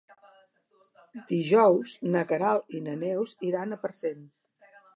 Dijous na Queralt i na Neus iran a Parcent.